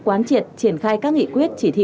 quán triệt triển khai các nghị quyết chỉ thị